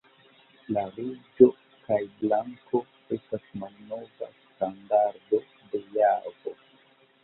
La ruĝo kaj blanko estas malnova standardo de Javo.